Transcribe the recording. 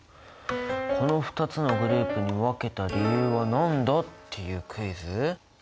この２つのグループに分けた理由はなんだ？っていうクイズ。